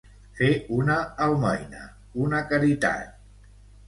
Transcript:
Fer una almoina, una caritat.